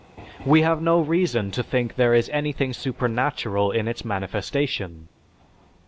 _We have no reason to think there is anything supernatural in its manifestation.